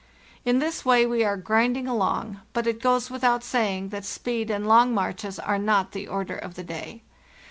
In this way we are grinding along, but it goes without saying that speed and long marches are not the order of the day.